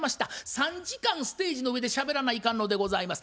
３時間ステージの上でしゃべらないかんのでございます。